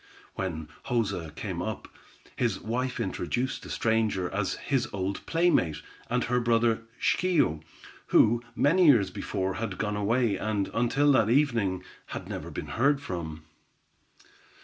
When Joza came up, his wife introduced the stranger as his old playmate, and her brother Schio, who, many years before, had gone away, and, until that evening, had never been heard from.